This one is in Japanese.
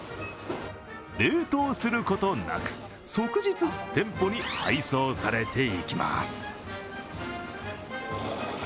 冷凍することなく、即日、店舗に配送されていきます。